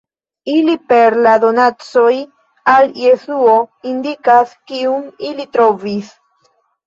Ili per la donacoj al Jesuo indikas Kiun ili trovis.